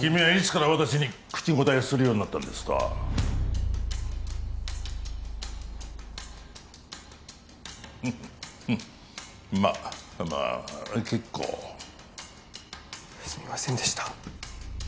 君はいつから私に口答えするようになったんですかまあまあ結構すみませんでした